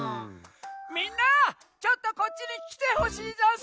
・みんなちょっとこっちにきてほしいざんす！